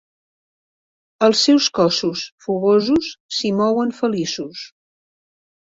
Els seus cossos fogosos s'hi mouen feliços.